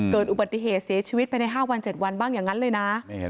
เกิดอุบัติเหตุเสียชีวิตไปใน๕วัน๗วันบ้างอย่างนั้นเลยนะ